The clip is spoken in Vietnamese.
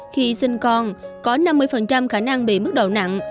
khi sinh con có năm mươi khả năng bị mức đầu nặng